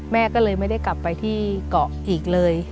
แม่ก็เลยไม่ได้กลับไปที่เกาะอีกเลย